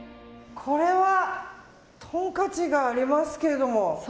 これは、トンカチがありますけれども。